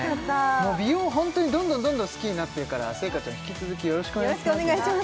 美容ホントにどんどんどんどん好きになってるから星夏ちゃん引き続きよろしくお願いしますね